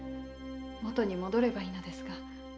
元に戻ればいいのですが。